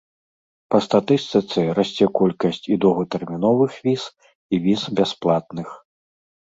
Па статыстыцы, расце колькасць і доўгатэрміновых віз, і віз бясплатных.